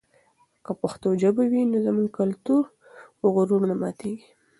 که پښتو ژبه وي نو زموږ کلتوري غرور نه ماتېږي.